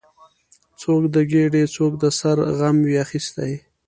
څوک د ګیډې، څوک د سر غم وي اخیستی